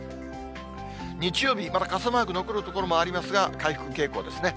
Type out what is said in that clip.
日曜日、まだ傘マーク残る所もありますが、回復傾向ですね。